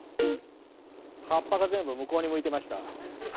葉っぱが全部向こうに向いてました。